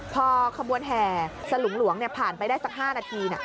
พอขบวนแห่สลุงหลวงผ่านไปได้สัก๕นาที